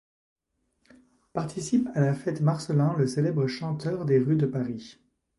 Participe à la fête Marcellin le célèbre chanteur des rues de Paris.